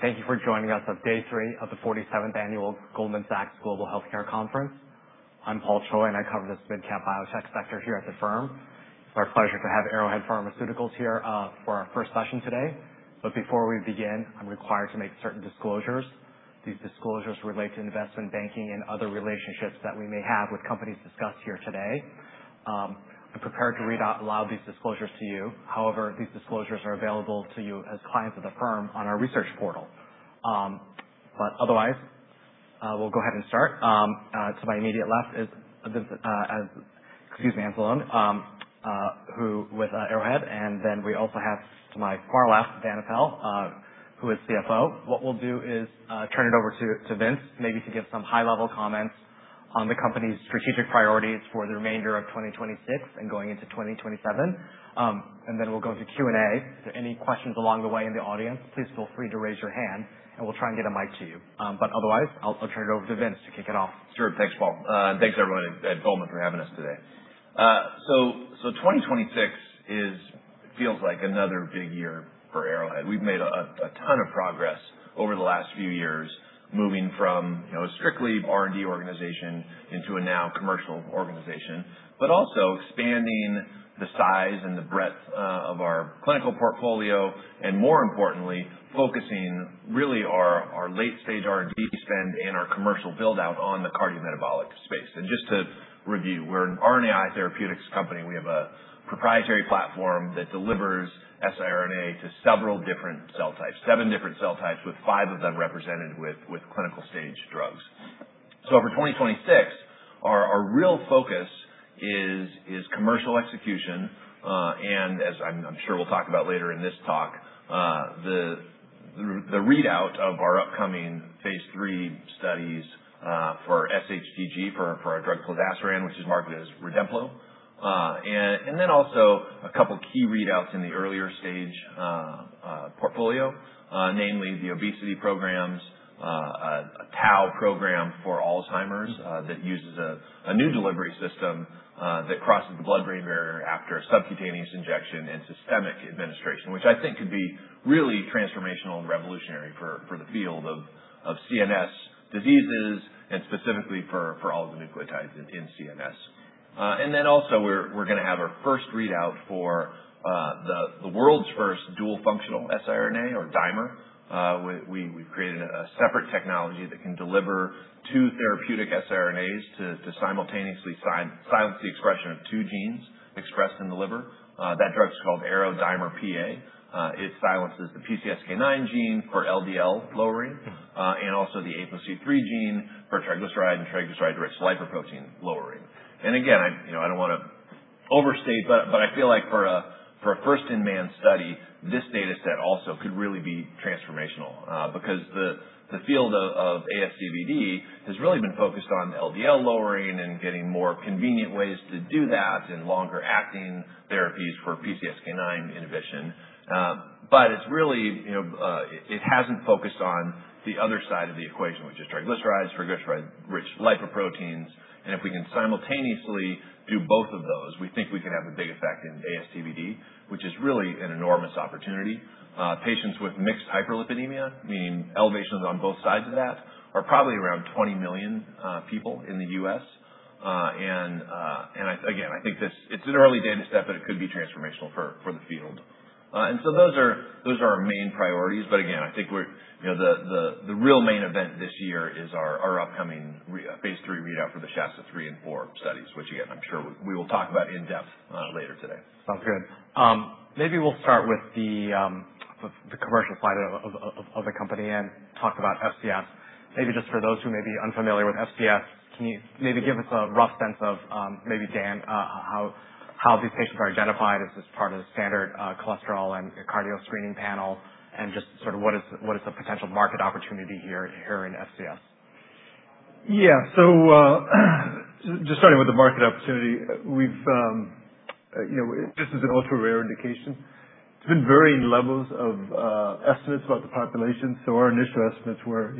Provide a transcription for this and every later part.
Thank you for joining us on day three of the 47th Annual Goldman Sachs Global Healthcare Conference. I'm Paul Choi, and I cover this mid-cap biotech sector here at the firm. It's our pleasure to have Arrowhead Pharmaceuticals here for our first session today. Before we begin, I'm required to make certain disclosures. These disclosures relate to investment banking and other relationships that we may have with companies discussed here today. I'm prepared to read out loud these disclosures to you. However, these disclosures are available to you as clients of the firm on our research portal. Otherwise, we'll go ahead and start. To my immediate left is Vincent Anzalone, with Arrowhead, and we also have to my far left, Daniel Apel, who is Chief Financial Officer. What we'll do is turn it over to Vince, maybe to give some high-level comments on the company's strategic priorities for the remainder of 2026 and going into 2027. Then we'll go to Q&A. Any questions along the way in the audience, please feel free to raise your hand and we'll try and get a mic to you. Otherwise, I'll turn it over to Vincent to kick it off. Sure. Thanks, Paul. Thanks everyone at Goldman for having us today. 2026 feels like another big year for Arrowhead. We've made a ton of progress over the last few years, moving from a strictly R&D organization into a now commercial organization, but also expanding the size and the breadth of our clinical portfolio and more importantly, focusing really our late-stage R&D spend and our commercial build-out on the cardiometabolic space. Just to review, we're an RNAi therapeutics company. We have a proprietary platform that delivers siRNA to several different cell types, seven different cell types, with five of them represented with clinical stage drugs. For 2026, our real focus is commercial execution. As I'm sure we'll talk about later in this talk, the readout of our upcoming phase III studies, for SHTG for our drug plozasiran, which is marketed as Redemplo. Then also a couple of key readouts in the earlier stage portfolio, namely the obesity programs, a tau program for Alzheimer's, that uses a new delivery system that crosses the blood-brain barrier after a subcutaneous injection and systemic administration, which I think could be really transformational and revolutionary for the field of CNS diseases and specifically for oligonucleotides in CNS. Then also we're going to have our first readout for the world's first dual functional siRNA or dimer. We've created a separate technology that can deliver two therapeutic siRNAs to simultaneously silence the expression of two genes expressed in the liver. That drug is called Aro-Dimer PA. It silences the PCSK9 gene for LDL lowering, and also the APOC3 gene for triglyceride and triglyceride-rich lipoprotein lowering. I don't want to overstate, but I feel like for a first-in-man study, this data set also could really be transformational. The field of ASCVD has really been focused on LDL lowering and getting more convenient ways to do that and longer acting therapies for PCSK9 inhibition. It hasn't focused on the other side of the equation, which is triglycerides, triglyceride-rich lipoproteins. If we can simultaneously do both of those, we think we can have a big effect in ASCVD, which is really an enormous opportunity. Patients with mixed hyperlipidemia, meaning elevations on both sides of that, are probably around 20 million people in the U.S. Again, I think it's an early data step, but it could be transformational for the field. Those are our main priorities, but again, I think the real main event this year is our upcoming phase III readout for the SHASTA-3 and -4 studies, which again, I'm sure we will talk about in depth later today. Sounds good. Maybe we'll start with the commercial side of the company and talk about FCS. Maybe just for those who may be unfamiliar with FCS, can you maybe give us a rough sense of, maybe Dan, how these patients are identified as part of the standard cholesterol and cardio screening panel and just sort of what is the potential market opportunity here in FCS? Just starting with the market opportunity, this is an ultra-rare indication. It's been varying levels of estimates about the population. Our initial estimates were,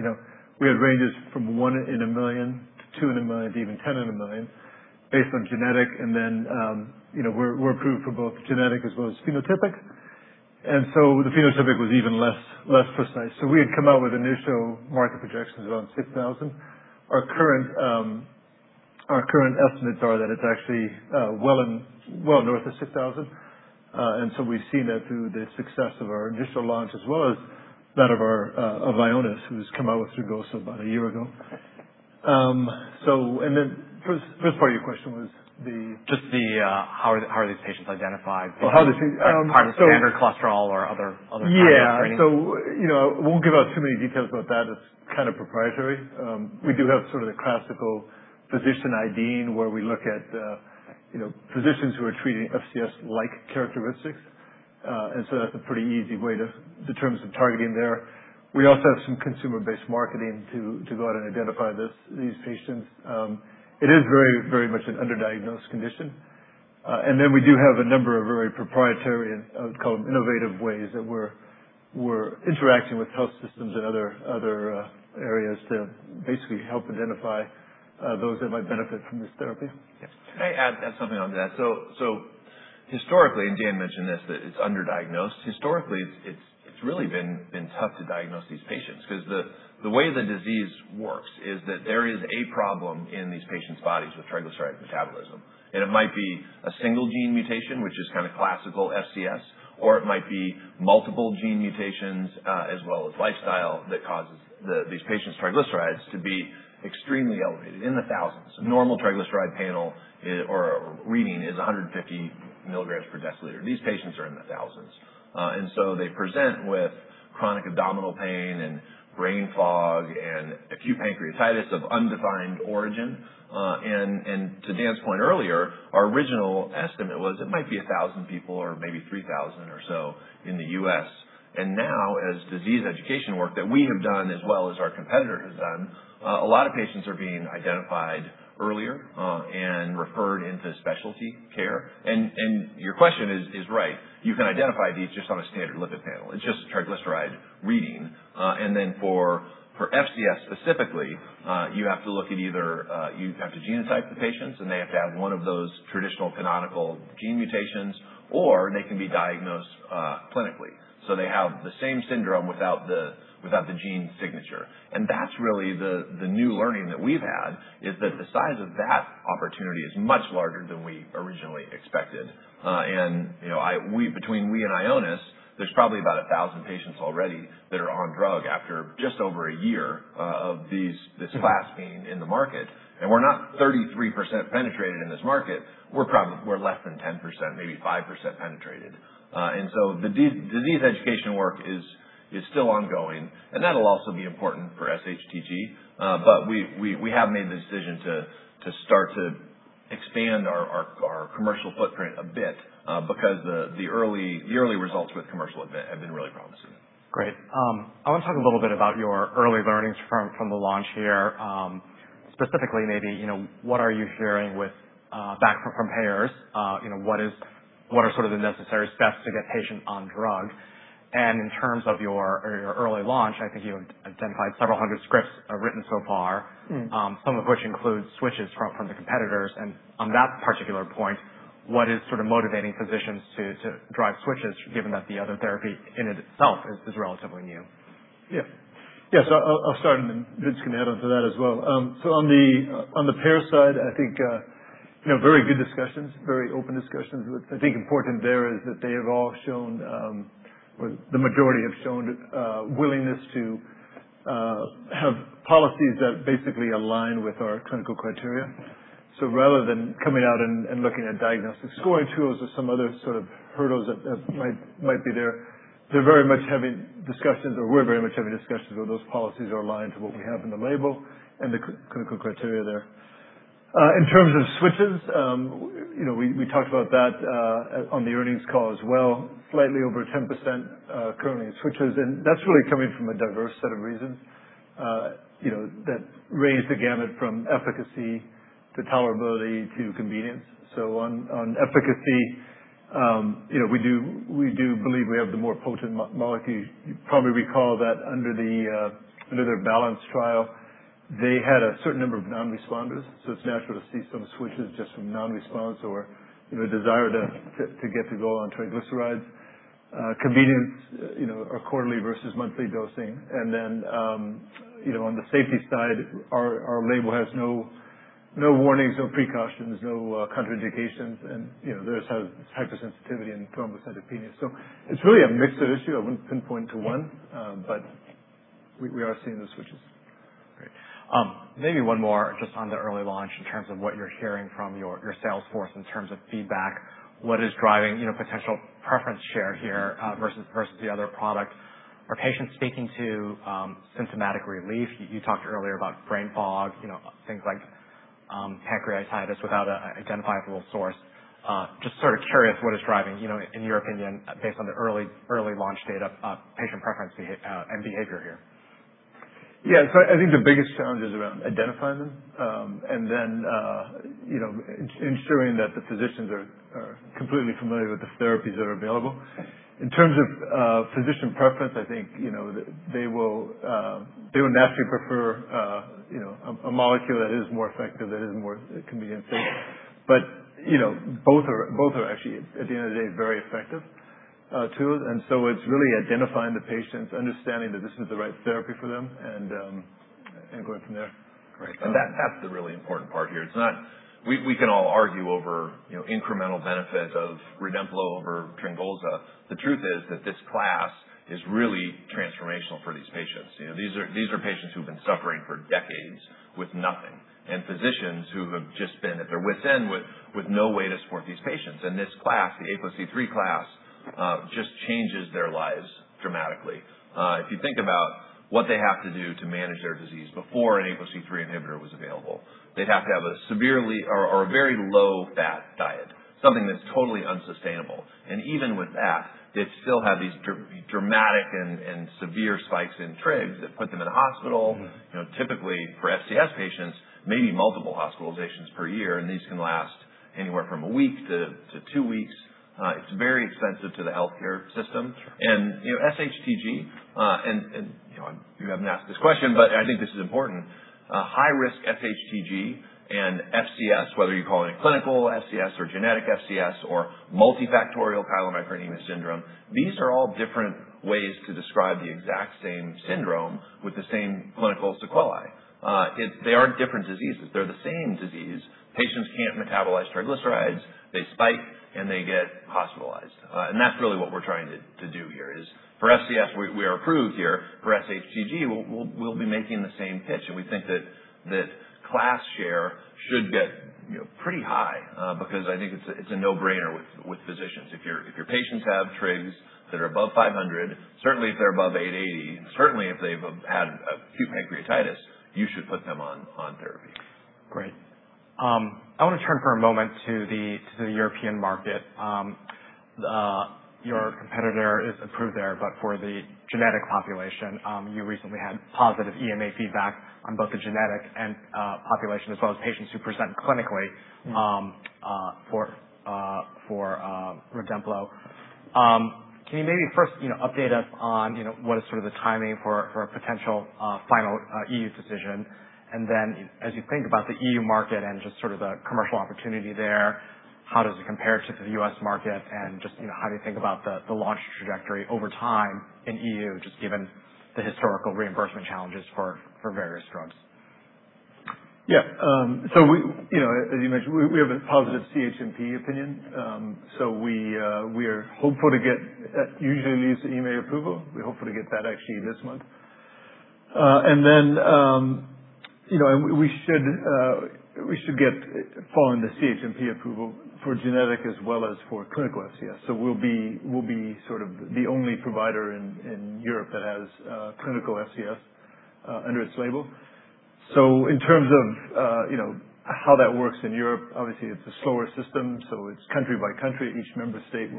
we had ranges from one in a million to two in a million to even 10 in a million based on genetic and then we're approved for both genetic as well as phenotypic, the phenotypic was even less precise. We had come out with initial market projections around 6,000. Our current estimates are that it's actually well north of 6,000. We've seen that through the success of our initial launch as well as that of Ionis, who's come out with Tryngolza about a year ago. How are these patients identified? Oh, how do they- Part of the standard cholesterol or other kind of screening? Yeah. We won't give out too many details about that. It's kind of proprietary. We do have sort of the classical physician ID where we look at physicians who are treating FCS-like characteristics. That's a pretty easy way to determine some targeting there. We also have some consumer-based marketing to go out and identify these patients. It is very much an underdiagnosed condition. We do have a number of very proprietary, and I would call them innovative ways that we're interacting with health systems and other areas to basically help identify those that might benefit from this therapy. Yes. Can I add something on to that? Historically, and Dan Apel mentioned this, that it's underdiagnosed. Historically, it's really been tough to diagnose these patients because the way the disease works is that there is a problem in these patients' bodies with triglyceride metabolism. It might be a single gene mutation, which is classical FCS, or it might be multiple gene mutations, as well as lifestyle that causes these patients' triglycerides to be extremely elevated, in the thousands. A normal triglyceride panel or reading is 150 mg per deciliter. These patients are in the thousands. They present with chronic abdominal pain and brain fog and acute pancreatitis of undefined origin. To Dan Apel's point earlier, our original estimate was it might be 1,000 people or maybe 3,000 or so in the U.S. Now, as disease education work that we have done as well as our competitor has done, a lot of patients are being identified earlier, and referred into specialty care. Your question is right. You can identify these just on a standard lipid panel. It's just a triglyceride reading. For FCS specifically, you have to genotype the patients, and they have to have one of those traditional canonical gene mutations, or they can be diagnosed clinically. They have the same syndrome without the gene signature. That's really the new learning that we've had is that the size of that opportunity is much larger than we originally expected. Between we and Ionis, there's probably about 1,000 patients already that are on drug after just over a year of this class being in the market. We're not 33% penetrated in this market. We're less than 10%, maybe 5% penetrated. Disease education work is still ongoing, and that'll also be important for SHTG. We have made the decision to start to expand our commercial footprint a bit, because the early results with commercial have been really promising. Great. I want to talk a little bit about your early learnings from the launch here. Specifically maybe, what are you hearing back from payers? What are sort of the necessary steps to get patient on drug? In terms of your early launch, I think you identified several hundred scripts are written so far. Some of which include switches from the competitors. On that particular point, what is sort of motivating physicians to drive switches given that the other therapy in itself is relatively new? Yeah. I'll start and then Vincent can add on to that as well. On the payer side, I think, very good discussions, very open discussions. I think important there is that they have all shown, or the majority have shown, willingness to have policies that basically align with our clinical criteria. Rather than coming out and looking at diagnostic scoring tools or some other sort of hurdles that might be there. They're very much having discussions, or we're very much having discussions where those policies are aligned to what we have in the label and the clinical criteria there. In terms of switches, we talked about that on the earnings call as well. Slightly over 10% currently switches, that's really coming from a diverse set of reasons that raise the gamut from efficacy to tolerability to convenience. On efficacy, we do believe we have the more potent molecule. You probably recall that under the BALANCE trial, they had a certain number of non-responders. It's natural to see some switches just from non-response or a desire to get to goal on triglycerides. Convenience, quarterly versus monthly dosing. Then, on the safety side, our label has no warnings, no precautions, no contraindications. Theirs has hypersensitivity and thrombocytopenia. It's really a mixed issue. I wouldn't pinpoint to one. We are seeing the switches. Great. Maybe one more just on the early launch in terms of what you're hearing from your sales force in terms of feedback. What is driving potential preference share here, versus the other products? Are patients speaking to symptomatic relief? You talked earlier about brain fog, things like pancreatitis without an identifiable source. Just sort of curious what is driving, in your opinion, based on the early launch data, patient preference and behavior here. I think the biggest challenge is around identifying them. Ensuring that the physicians are completely familiar with the therapies that are available. In terms of physician preference, I think, they will naturally prefer a molecule that is more effective, that is more convenient for you. Both are actually, at the end of the day, very effective tools. It's really identifying the patients, understanding that this is the right therapy for them, and going from there. Great. That's the really important part here. We can all argue over incremental benefit of Redemplo over Tryngolza. The truth is that this class is really transformational for these patients. These are patients who've been suffering for decades with nothing. Physicians who have just been at their wit's end with no way to support these patients. This class, the APOC3 class, just changes their lives dramatically. If you think about what they have to do to manage their disease before an APOC3 inhibitor was available, they'd have to have a severely or a very low-fat diet, something that's totally unsustainable. Even with that, they'd still have these dramatic and severe spikes in trigs that put them in the hospital. Typically for FCS patients, maybe multiple hospitalizations per year, and these can last anywhere from a week to two weeks. It's very expensive to the healthcare system. Sure. SHTG, you haven't asked this question, but I think this is important. High-risk SHTG and FCS, whether you call it a clinical FCS or genetic FCS or multifactorial chylomicronemia syndrome, these are all different ways to describe the exact same syndrome with the same clinical sequelae. They aren't different diseases. They're the same disease. Patients can't metabolize triglycerides. They spike, and they get hospitalized. That's really what we're trying to do here is for FCS, we are approved here. For SHTG, we'll be making the same pitch, and we think that class share should get pretty high, because I think it's a no-brainer with physicians. If your patients have trigs that are above 500, certainly if they're above 880, certainly if they've had acute pancreatitis, you should put them on therapy. Great. I want to turn for a moment to the European market. Your competitor is approved there, but for the genetic population. You recently had positive EMA feedback on both the genetic and population, as well as patients who present clinically for Redemplo. Can you maybe first update us on what is sort of the timing for a potential final EU decision? As you think about the EU market and just sort of the commercial opportunity there, how does it compare to the U.S. market and just how do you think about the launch trajectory over time in EU, just given the historical reimbursement challenges for various drugs? As you mentioned, we have a positive CHMP opinion. Usually leads to EMA approval. We're hopeful to get that actually this month. We should get, following the CHMP approval for genetic as well as for clinical FCS. We'll be sort of the only provider in Europe that has clinical FCS under its label. In terms of how that works in Europe, obviously, it's a slower system. It's country by country. Each member state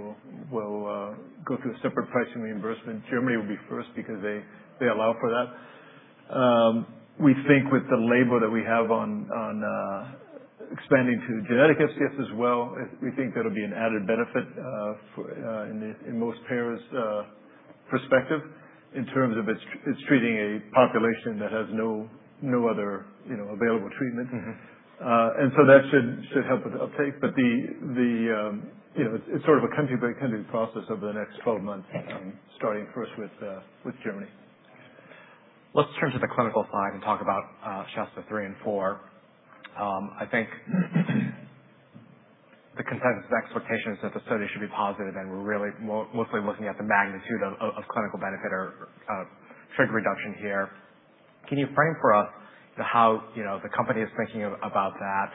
will go through a separate pricing reimbursement. Germany will be first because they allow for that. We think with the label that we have on expanding to genetic FCS as well, we think that'll be an added benefit in most payers' perspective in terms of it's treating a population that has no other available treatment. That should help with uptake. It's sort of a country-by-country process over the next 12 months- Okay starting first with Germany. Let's turn to the clinical side and talk about SHASTA-3 and 4. I think the consensus expectation is that the study should be positive, and we're really mostly looking at the magnitude of clinical benefit or TG reduction here. Can you frame for us how the company is thinking about that?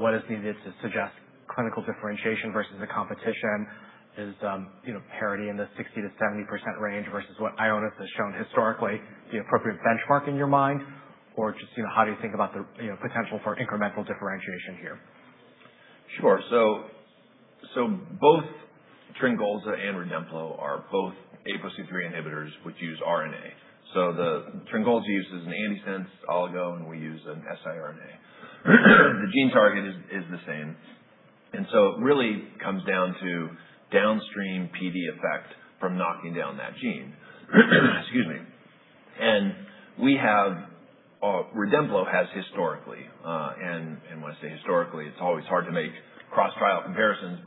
What is needed to suggest clinical differentiation versus the competition? Is parity in the 60%-70% range versus what Ionis has shown historically the appropriate benchmark in your mind? Just how do you think about the potential for incremental differentiation here? Sure. Both Tryngolza and Redemplo are both APOC3 inhibitors which use RNA. The Tryngolza uses an antisense oligo, and we use an siRNA. The gene target is the same. It really comes down to downstream PD effect from knocking down that gene. Excuse me. Redemplo has historically, and when I say historically, it's always hard to make cross-trial comparisons,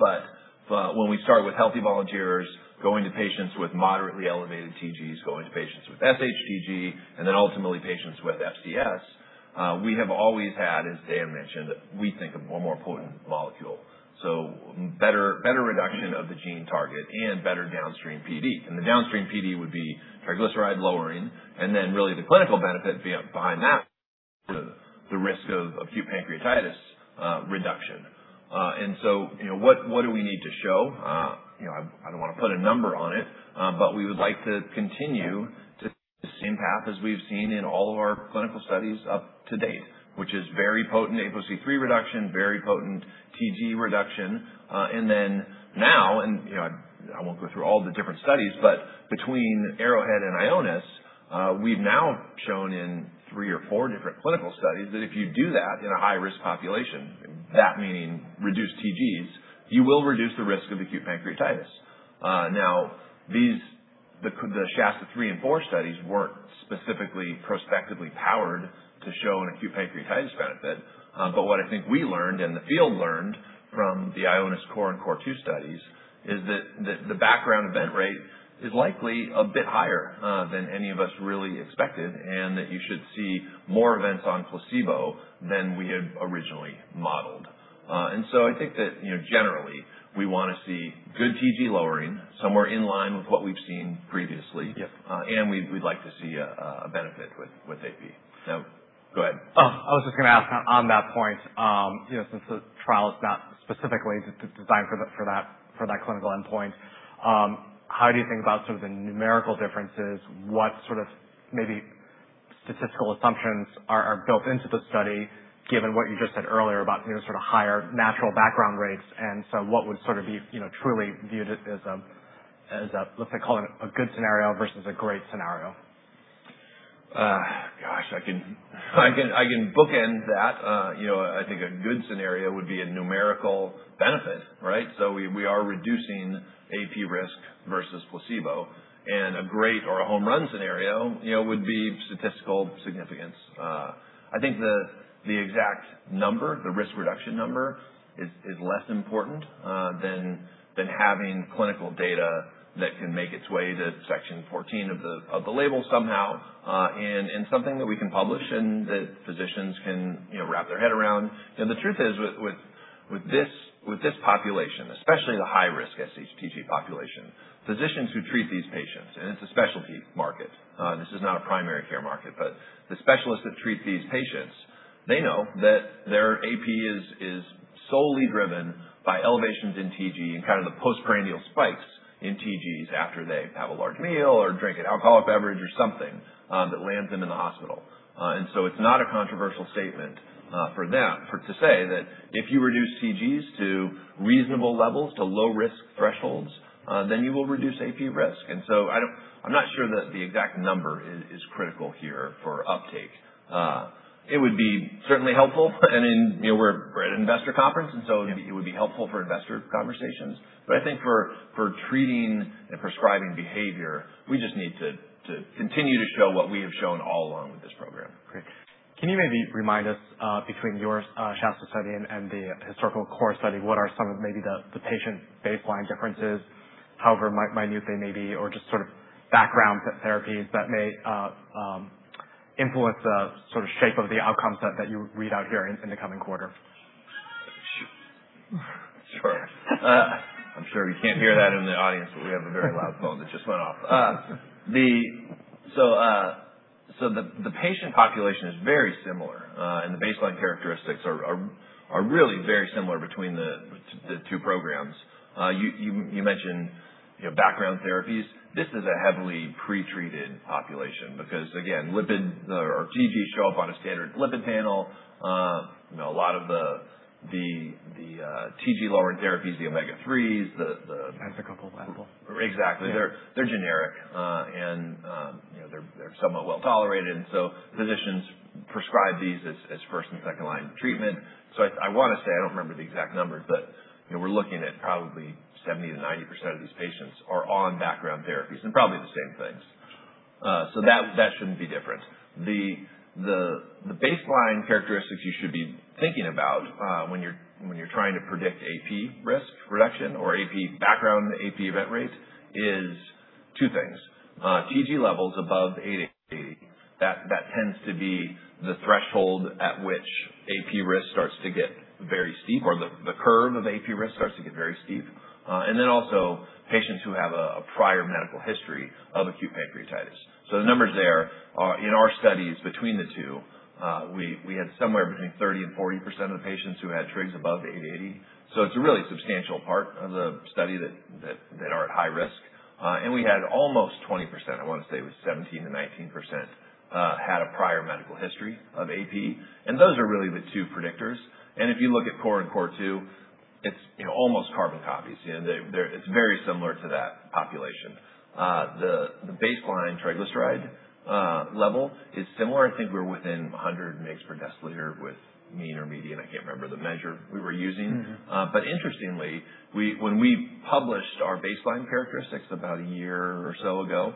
but when we start with healthy volunteers going to patients with moderately elevated TGs, going to patients with SHTG, and then ultimately patients with FCS, we have always had, as Dan mentioned, we think a more potent molecule. Better reduction of the gene target and better downstream PD. The downstream PD would be triglyceride lowering, and then really the clinical benefit behind that, the risk of acute pancreatitis reduction. What do we need to show? I don't want to put a number on it. We would like to continue to see the same path as we've seen in all of our clinical studies up to date, which is very potent APOC3 reduction, very potent TG reduction. Then now, and I won't go through all the different studies, but between Arrowhead and Ionis, we've now shown in three or four different clinical studies that if you do that in a high-risk population, that meaning reduced TGs, you will reduce the risk of acute pancreatitis. The SHASTA-3 and 4 studies weren't specifically prospectively powered to show an acute pancreatitis benefit. What I think we learned and the field learned from the Ionis CORE and CORE 2 studies is that the background event rate is likely a bit higher than any of us really expected, and that you should see more events on placebo than we had originally modeled. I think that generally, we want to see good TG lowering somewhere in line with what we've seen previously. Yes. We'd like to see a benefit with AP. No. Go ahead. I was just going to ask on that point, since the trial is not specifically designed for that clinical endpoint, how do you think about sort of the numerical differences? What sort of maybe statistical assumptions are built into the study, given what you just said earlier about sort of higher natural background rates? What would sort of be truly viewed as a, let's say, call it a good scenario versus a great scenario? I can bookend that. I think a good scenario would be a numerical benefit, right? We are reducing AP risk versus placebo, and a great or a home run scenario would be statistical significance. I think the exact number, the risk reduction number, is less important than having clinical data that can make its way to Section 14 of the label somehow. Something that we can publish and that physicians can wrap their head around. The truth is, with this population, especially the high-risk SHTG population, physicians who treat these patients, and it's a specialty market. This is not a primary care market, but the specialists that treat these patients, they know that their AP is solely driven by elevations in TG and kind of the postprandial spikes in TGs after they have a large meal or drink an alcoholic beverage or something that lands them in the hospital. It's not a controversial statement for them to say that if you reduce TGs to reasonable levels, to low risk thresholds, you will reduce AP risk. I'm not sure that the exact number is critical here for uptake. It would be certainly helpful. We're at an investor conference, it would be helpful for investor conversations. I think for treating and prescribing behavior, we just need to continue to show what we have shown all along with this program. Great. Can you maybe remind us, between your SHASTA study and the historical CORE study, what are some of maybe the patient baseline differences, however minute they may be, or just sort of background therapies that may influence the sort of shape of the outcomes that you read out here in the coming quarter? Sure. I'm sure you can't hear that in the audience, but we have a very loud phone that just went off. The patient population is very similar. The baseline characteristics are really very similar between the two programs. You mentioned background therapies. This is a heavily pre-treated population because, again, lipids or TGs show up on a standard lipid panel. A lot of the TG-lowering therapies, the omega-3s, That's a couple Exactly. They're generic. They're somewhat well-tolerated, and physicians prescribe these as first and second-line treatment. I want to say, I don't remember the exact numbers, but we're looking at probably 70%-90% of these patients are on background therapies and probably the same things. That shouldn't be different. The baseline characteristics you should be thinking about when you're trying to predict AP risk reduction or background AP event rates is two things. TG levels above eight eight. That tends to be the threshold at which AP risk starts to get very steep, or the curve of AP risk starts to get very steep. Also patients who have a prior medical history of acute pancreatitis. The numbers there are in our studies between the two. We had somewhere between 30%-40% of the patients who had trigs above the eight eight. It's a really substantial part of the study that are at high risk. We had almost 20%, I want to say it was 17%-19%, had a prior medical history of AP. Those are really the two predictors. If you look at CORE and CORE 2, it's almost carbon copies. It's very similar to that population. The baseline triglyceride level is similar. I think we're within 100 mgs per deciliter with mean or median. I can't remember the measure we were using. Interestingly, when we published our baseline characteristics about a year or so ago,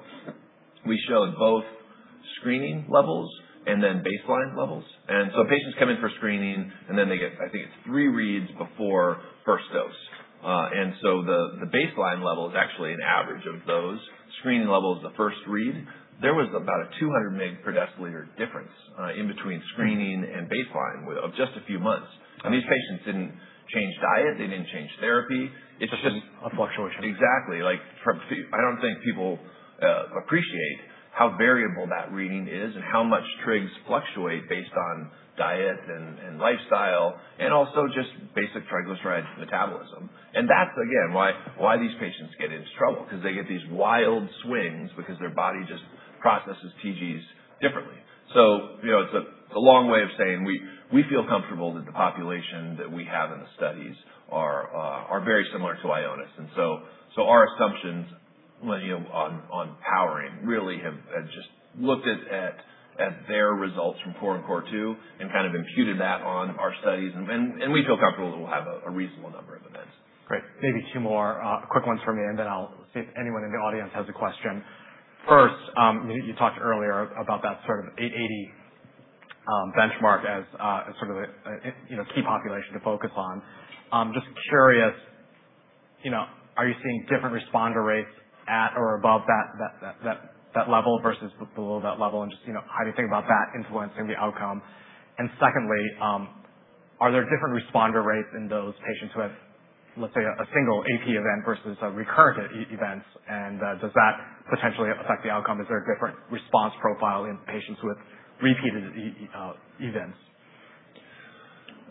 we showed both screening levels and then baseline levels. Patients come in for screening, and then they get, I think it's three reads before first dose. The baseline level is actually an average of those. Screening level is the first read. There was about a 200 mg per deciliter difference in between screening and baseline of just a few months. These patients didn't change diet. They didn't change therapy. It's just- A fluctuation. Exactly. I don't think people appreciate how variable that reading is and how much trigs fluctuate based on diet and lifestyle and also just basic triglyceride metabolism. That's, again, why these patients get into trouble, because they get these wild swings because their body just processes TGs differently. It's a long way of saying we feel comfortable that the population that we have in the studies are very similar to Ionis. Our assumptions on powering really have just looked at their results from CORE and CORE 2 and kind of imputed that on our studies. We feel comfortable that we'll have a reasonable number of events. Great. Maybe two more quick ones from me, and then I'll see if anyone in the audience has a question. First, you talked earlier about that sort of 8.8 benchmark as sort of a key population to focus on. Just curious, are you seeing different responder rates at or above that level versus below that level? Just how do you think about that influencing the outcome? Secondly, are there different responder rates in those patients who have, let's say, a single AP event versus recurrent events? Does that potentially affect the outcome? Is there a different response profile in patients with repeated events?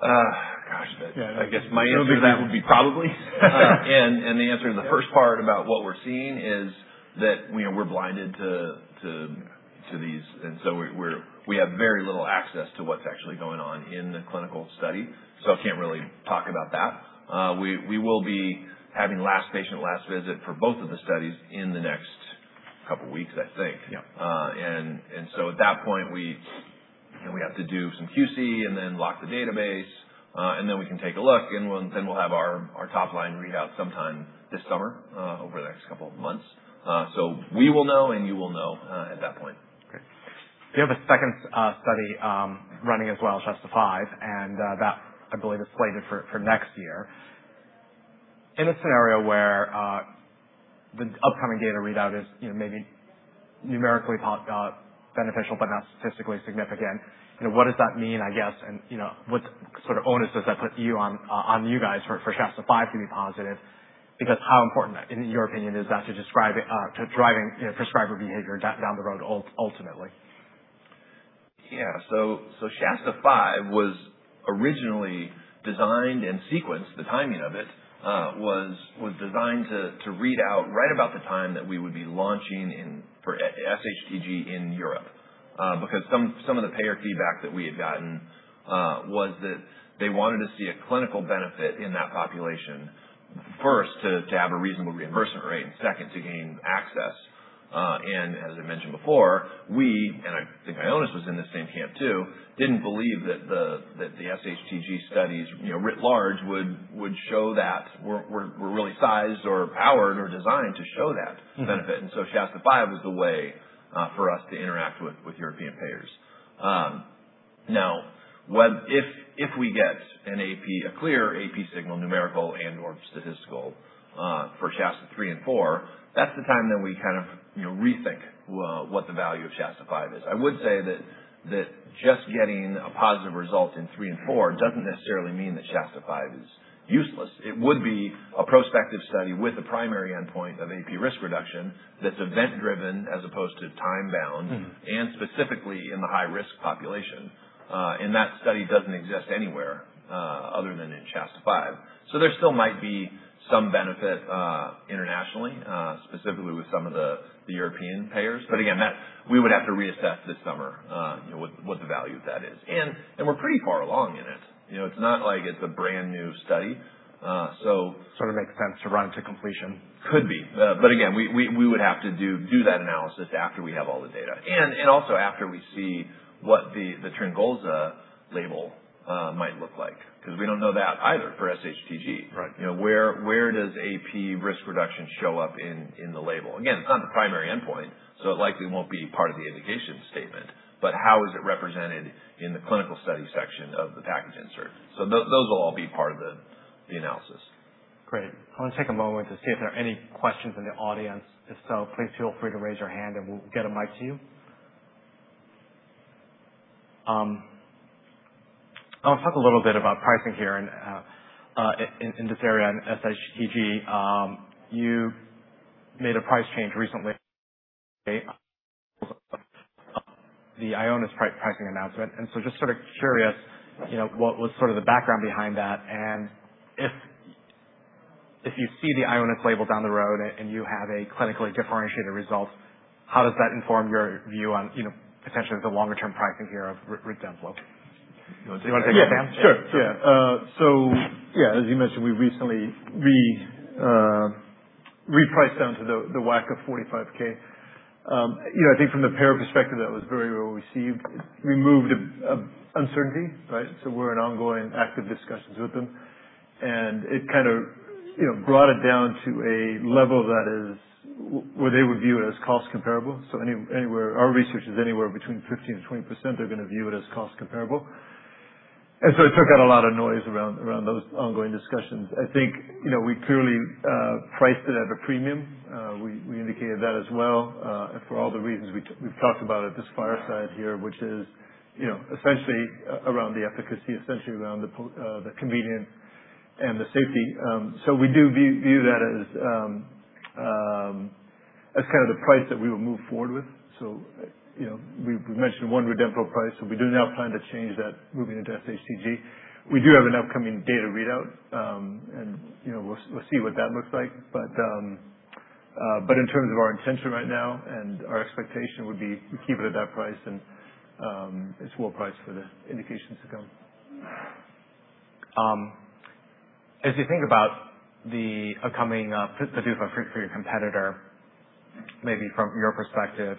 Gosh. I guess my answer to that would be probably. The answer to the first part about what we're seeing is that we're blinded to these, and so we have very little access to what's actually going on in the clinical study. I can't really talk about that. We will be having last patient, last visit for both of the studies in the next couple of weeks, I think. Yeah. At that point, we have to do some QC, and then lock the database. Then we can take a look, and then we'll have our top line readout sometime this summer, over the next couple of months. We will know and you will know at that point. Okay. You have a second study running as well, SHASTA-5, that, I believe, is slated for next year. In a scenario where the upcoming data readout is maybe numerically beneficial, but not statistically significant, what does that mean, I guess, and what sort of onus does that put on you guys for SHASTA-5 to be positive? How important, in your opinion, is that to driving prescriber behavior down the road ultimately? SHASTA-5 was originally designed and sequenced, the timing of it, was designed to read out right about the time that we would be launching SHTG in Europe. Because some of the payer feedback that we had gotten was that they wanted to see a clinical benefit in that population, first, to have a reasonable reimbursement rate, and second, to gain access. As I mentioned before, we, and I think Ionis was in the same camp, too, didn't believe that the SHTG studies writ large would show that, were really sized or powered or designed to show that benefit. Shasta 5 was the way for us to interact with European payers. Now, if we get a clear AP signal, numerical and/or statistical, for Shasta 3 and 4, that's the time that we rethink what the value of Shasta 5 is. I would say that just getting a positive result in 3 and 4 doesn't necessarily mean that Shasta 5 is useless. It would be a prospective study with a primary endpoint of AP risk reduction that's event driven as opposed to time bound. Specifically in the high-risk population. That study doesn't exist anywhere other than in SHASTA-5. There still might be some benefit internationally, specifically with some of the European payers. Again, we would have to reassess this summer what the value of that is. We're pretty far along in it. It's not like it's a brand-new study. Sort of makes sense to run it to completion. Could be. Again, we would have to do that analysis after we have all the data, and also after we see what the Tryngolza label might look like, because we don't know that either for SHTG. Right. Where does AP risk reduction show up in the label? Again, it's not the primary endpoint, so it likely won't be part of the indication statement. How is it represented in the clinical study section of the package insert? Those will all be part of the analysis. Great. I want to take a moment to see if there are any questions in the audience. If so, please feel free to raise your hand and we'll get a mic to you. I want to talk a little bit about pricing here in this area on SHTG. You made a price change recently the Ionis pricing announcement. Just sort of curious, what was the background behind that? If you see the Ionis label down the road and you have a clinically differentiated result, how does that inform your view on potentially the longer-term pricing here of Redemplo? You want to take that, Dan? Sure. As you mentioned, we recently repriced down to the WAC of $45,000. I think from the payer perspective, that was very well received. It removed uncertainty, right? We're in ongoing, active discussions with them. It kind of brought it down to a level where they would view it as cost comparable. Our research is anywhere between 15%-20%, they're going to view it as cost comparable. It took out a lot of noise around those ongoing discussions. I think we clearly priced it at a premium. We indicated that as well. For all the reasons we've talked about at this fireside here, which is essentially around the efficacy, essentially around the convenience and the safety. We do view that as the price that we would move forward with. We mentioned one Redemplo price. We do now plan to change that moving into SHTG. We do have an upcoming data readout. We'll see what that looks like. In terms of our intention right now and our expectation would be we keep it at that price and it's full price for the indications to come. As you think about the upcoming for your competitor, maybe from your perspective,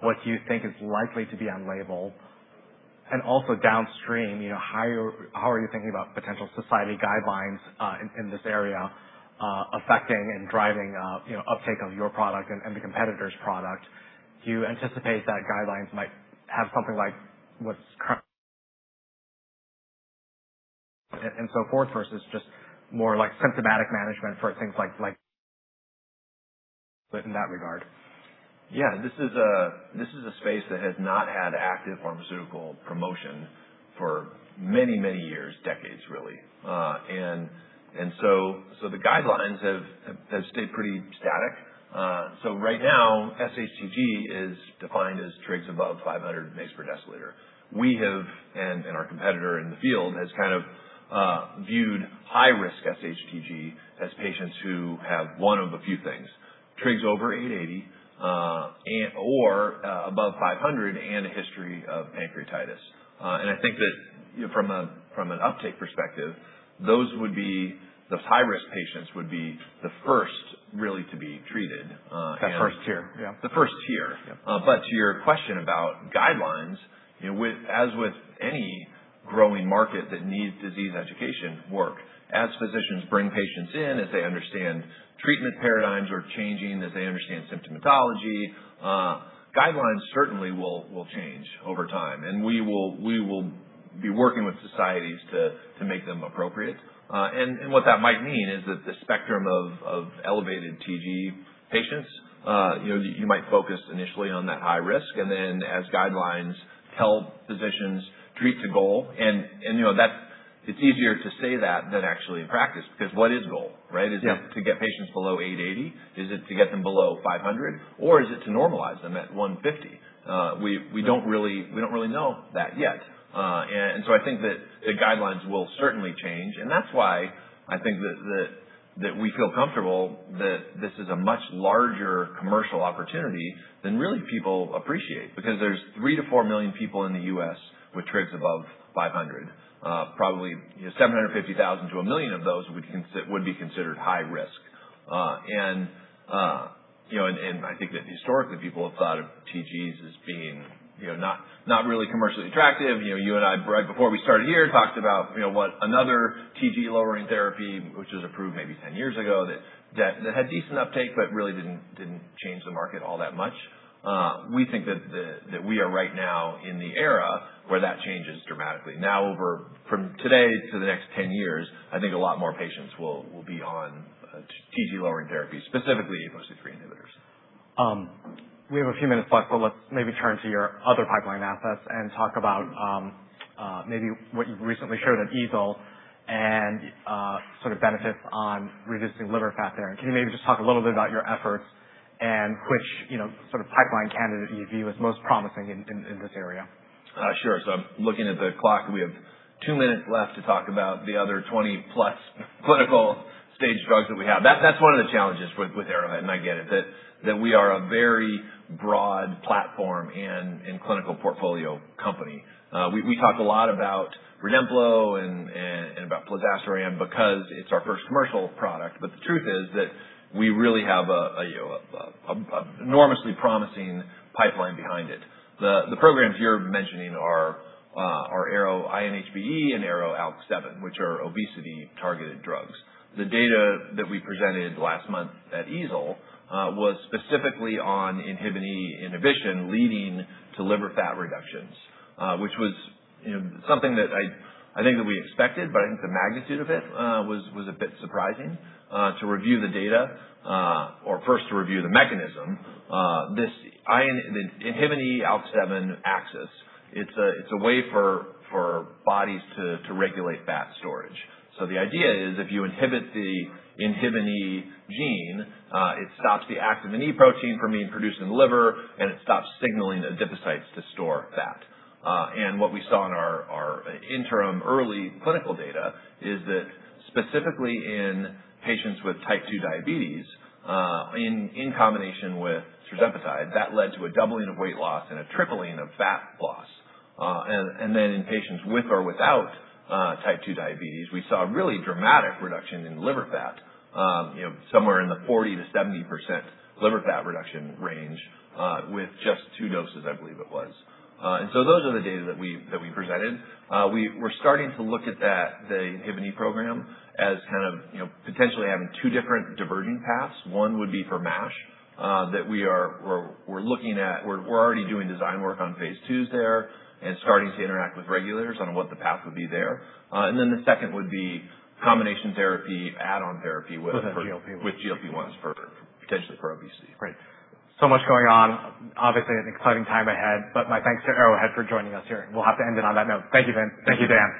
what do you think is likely to be on label? Also downstream, how are you thinking about potential society guidelines in this area affecting and driving uptake of your product and the competitor's product? Do you anticipate that guidelines might have something like what's and so forth versus just more like symptomatic management for things like but in that regard? Yeah. This is a space that has not had active pharmaceutical promotion for many, many years, decades really. The guidelines have stayed pretty static. Right now, SHTG is defined as Trigs above 500 mg per deciliter. We have, and our competitor in the field has kind of viewed high risk SHTG as patients who have one of a few things. Trigs over 880 or above 500 and a history of pancreatitis. I think that from an uptake perspective, those high-risk patients would be the first really to be treated. That first tier. Yeah. The first tier. Yep. To your question about guidelines, as with any growing market that needs disease education work, as physicians bring patients in, as they understand treatment paradigms are changing, as they understand symptomatology, guidelines certainly will change over time, and we will be working with societies to make them appropriate. What that might mean is that the spectrum of elevated TG patients, you might focus initially on that high risk and then as guidelines tell physicians treat to goal. It's easier to say that than actually in practice, because what is goal, right? Yeah. Is it to get patients below 880? Is it to get them below 500 or is it to normalize them at 150? We don't really know that yet. So I think that the guidelines will certainly change, and that's why I think that we feel comfortable that this is a much larger commercial opportunity than really people appreciate, because there's 3 million to 4 million people in the U.S. with trigs above 500. Probably 750,000 to 1 million of those would be considered high risk. I think that historically, people have thought of TGs as being not really commercially attractive. You and I, right before we started here, talked about what another TG-lowering therapy, which was approved maybe 10 years ago, that had decent uptake but really didn't change the market all that much. We think that we are right now in the era where that changes dramatically. Now from today to the next 10 years, I think a lot more patients will be on TG-lowering therapy, specifically APOC3 inhibitors. We have a few minutes left, let's maybe turn to your other pipeline assets and talk about maybe what you've recently showed at EASL and sort of benefits on reducing liver fat there. Can you maybe just talk a little bit about your efforts and which sort of pipeline candidate you view as most promising in this area? Sure. I'm looking at the clock, we have two minutes left to talk about the other 20+ clinical stage drugs that we have. That's one of the challenges with Arrowhead, I get it, that we are a very broad platform and clinical portfolio company. We talk a lot about Redemplo and about plozasiran because it's our first commercial product. The truth is that we really have an enormously promising pipeline behind it. The programs you're mentioning are ARO-INHBE and ARO-ALK7, which are obesity-targeted drugs. The data that we presented last month at EASL was specifically on inhibin inhibition leading to liver fat reductions, which was something that I think that we expected, I think the magnitude of it was a bit surprising. To review the data or first to review the mechanism, this inhibin/ALK7 axis, it's a way for bodies to regulate fat storage. The idea is if you inhibit the inhibin gene, it stops the activin A protein from being produced in the liver, it stops signaling adipocytes to store fat. What we saw in our interim early clinical data is that specifically in patients with type 2 diabetes, in combination with tirzepatide, that led to a doubling of weight loss and a tripling of fat loss. Then in patients with or without type 2 diabetes, we saw a really dramatic reduction in liver fat. Somewhere in the 40%-70% liver fat reduction range with just two doses, I believe it was. Those are the data that we presented. We're starting to look at the inhibin program as kind of potentially having two different diverging paths. One would be for MASH, that we're looking at. We're already doing design work on phase II there and starting to interact with regulators on what the path would be there. Then the second would be combination therapy, add-on therapy with With GLP-1 With GLP-1s potentially for obesity. Right. Much going on. Obviously an exciting time ahead. My thanks to Arrowhead for joining us here. We'll have to end it on that note. Thank you, Vince. Thank you, Dan.